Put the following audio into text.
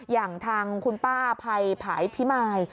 อย่างทางคุณป้าอภัยผายพิมาย